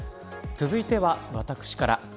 続いては、私から。